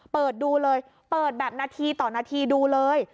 เปิดดูเลยเปิดแบบนาทีต่อนาทีดูเลย